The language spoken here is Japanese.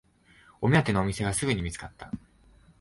目当てのお店がすぐに見つかった